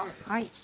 はい。